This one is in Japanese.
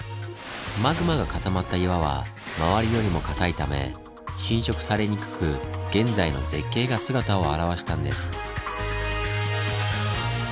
マグマが固まった岩は周りよりも硬いため侵食されにくく現在の絶景が姿を現したんです。